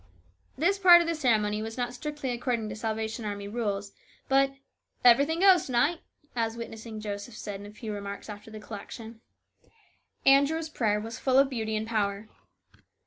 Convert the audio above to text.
This part of the ceremony was not strictly according to Salvation Army rules, but " everything goes to night," as " Witnessing Joseph " said in a few remarks after the collection. Andrew's prayer was full of beauty and power.